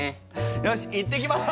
よし行ってきます！